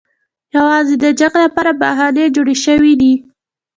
یوازې د جنګ لپاره بهانې جوړې شوې دي.